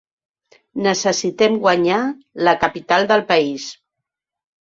Necessitem guanyar la capital del país.